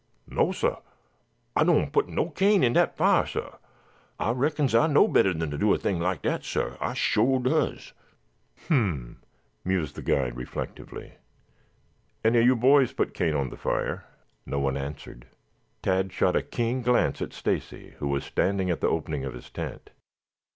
"No, sah, Ah doan' put no cane on dat fiah, sah. Ah reckons Ah know'd bettah dan to do a thing like dat, sah. Ah suah does." "Hm m m!" mused the guide reflectively. "Any of you boys put cane on the fire?" No one answered. Tad shot a keen glance at Stacy who was standing at the opening of his tent.